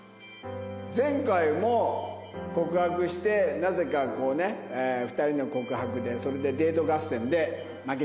前回も告白してなぜか２人の告白でそれでデート合戦で負けたんだよね。